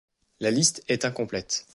La liste est incomplète.